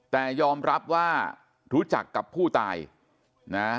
แต่ยอมรับว่ารู้จักกับผู้ตายนะ